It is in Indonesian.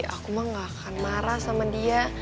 aku mah gak akan marah sama dia